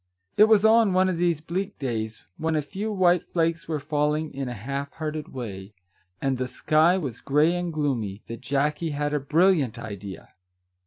It was on one of these bleak days, when a few white flakes were falling in a half hearted way, 76 Our Little Canadian Cousin and the sky was gray and gloomy, that Jackie had a brilliant idea.